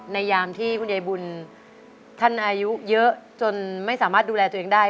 ยามที่คุณยายบุญท่านอายุเยอะจนไม่สามารถดูแลตัวเองได้